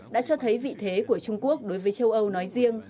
đã cho thấy vị thế của trung quốc đối với châu âu nói riêng